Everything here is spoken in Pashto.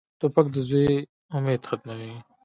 توپک د زوی امید ختموي.